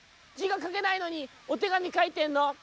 「じがかけないのにお手紙かいてんの？」。